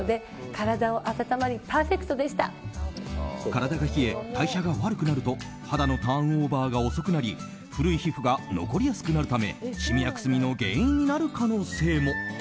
体が冷え、代謝が悪くなると肌のターンオーバーが遅くなり古い皮膚が残りやすくなるためシミやくすみの原因になる可能性も。